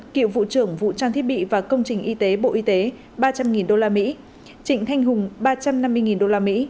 kiệu vụ trưởng vụ trang thiết bị và công trình y tế bộ y tế ba trăm linh usd trịnh thanh hùng ba trăm năm mươi usd